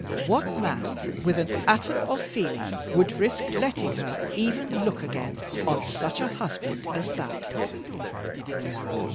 What man with an atom of feeling would risk letting her even look again on such a husband as that?"